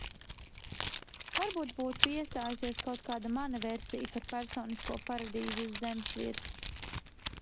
Varbūt būtu iestājusies kaut kāda mana versija par personisko paradīzi uz zemes virsas.